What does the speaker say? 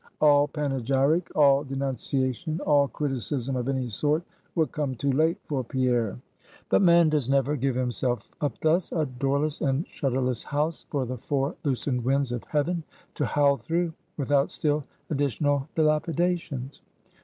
All panegyric, all denunciation, all criticism of any sort, would come too late for Pierre. But man does never give himself up thus, a doorless and shutterless house for the four loosened winds of heaven to howl through, without still additional dilapidations.